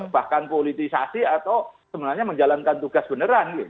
bahkan politisasi atau sebenarnya menjalankan tugas beneran